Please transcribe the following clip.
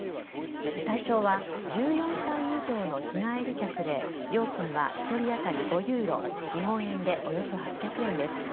対象は１４歳以上の日帰り客で料金は１人当たり５ユーロ日本円でおよそ８００円です。